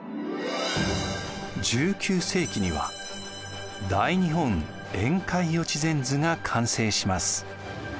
１９世紀には「大日本沿海輿地全図」が完成します。